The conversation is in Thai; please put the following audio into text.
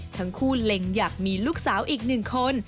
ทั้งคู่เล็งอยากมีลูกสาวอีกหนึ่งคน